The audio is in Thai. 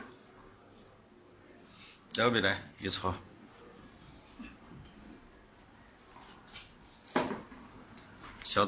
เดี๋ยวไม่ได้เอียดช่วง